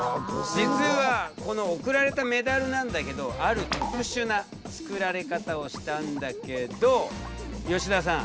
実はこの贈られたメダルなんだけどある特殊な作られ方をしたんだけど吉田さん！